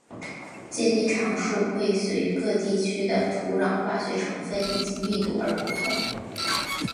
接地常数会随各地区的土壤化学成份以及密度而不同。